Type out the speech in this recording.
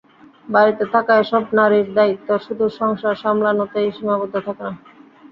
বাড়িতে থাকা এসব নারীর দায়িত্ব শুধু সংসার সামলানোতেই সীমাবদ্ধ থাকে না।